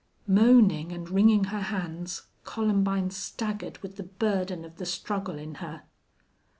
Moaning and wringing her hands, Columbine staggered with the burden of the struggle in her.